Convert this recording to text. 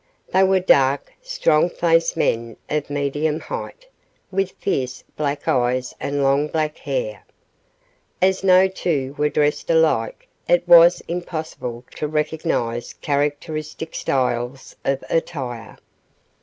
They were dark, strong faced men of medium height, with fierce, black eyes and long black hair. As no two were dressed alike, it was impossible to recognize characteristic styles of attire.